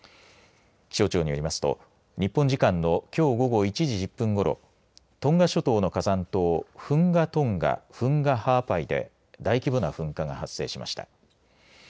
気象庁によりますと日本時間のきょう午後１時１０分ごろトンガ諸島の火山島「フンガ・トンガフンガ・ハアパイ」で大規模な噴火が発生しました。